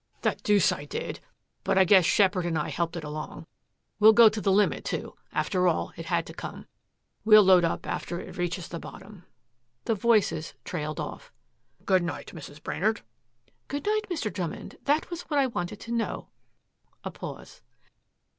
"The deuce I did. But I guess Sheppard and I helped it along. We'll go the limit, too. After all, it had to come. We'll load up after it reaches the bottom." The voices trailed off. "Good night, Mrs. Brainard." "Good night, Mr. Drummond. That was what I wanted to know." A pause.